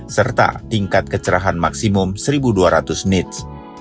serta tingkat kecerahan maksimum seribu dua ratus needs